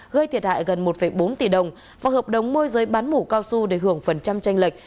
gây thiệt hại gần một bốn tỷ đồng và hợp đồng môi giới bán mũ cao su để hưởng phần trăm tranh lệch